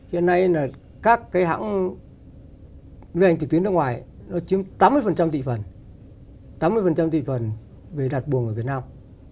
hiện nay các cái hãng ngân hành trực tuyến nước ngoài nó chiếm tám mươi tỷ phần tám mươi tỷ phần về đặt buồng ở việt nam